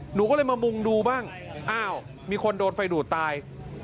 หนูก็เลยมามุงดูบ้างอ้าวมีคนโดนไฟดูดตาย